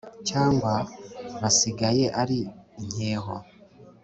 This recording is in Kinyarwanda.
cyangwa basigaye ari inkeho